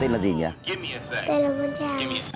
tên là vân trang